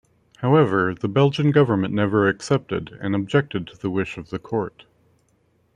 However the Belgian Government never accepted, and objected to the wish of the court.